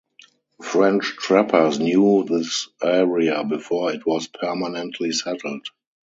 French trappers knew this area before it was permanently settled.